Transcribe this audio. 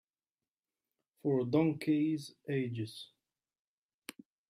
For donkeys' ages.